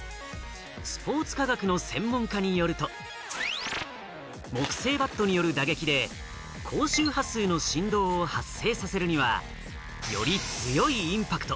スポーツ科学の専門家によると、木製バットによる打撃で高周波数の振動を発生させるには、より強いインパクト。